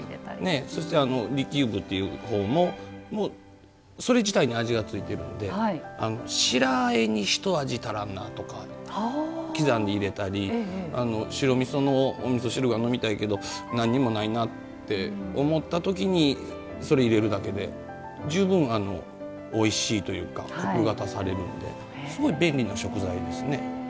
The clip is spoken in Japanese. そして、利休麩もそれ自体に味がついているので白あえに一味足らんなとか刻んで入れたり白みそのおみそ汁が飲みたいけどなんにもないなって時にそれ入れるだけで十分おいしいというかコクが足されるんですごい便利な食材ですね。